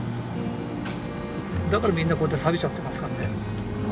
だからみんなこうやってさびちゃってますからね。